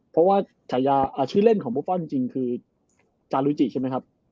เพราะว่าฉายาชื่อเล่นของบุฟฟอลจริงคือจารุจิใช่ไหมครับ